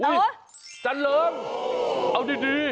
อุ๊ยอาจารย์เริงเอาดี